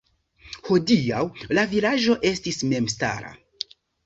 Hodiaŭ la vilaĝo estas memstara.